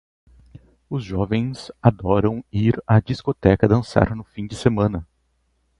Os jovens adoram ir à discoteca dançar no fim de semana.